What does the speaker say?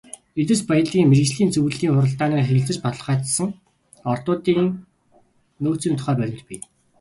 Эрдэс баялгийн мэргэжлийн зөвлөлийн хуралдаанаар хэлэлцэж баталгаажсан ордуудын нөөцийн тухай баримт бий.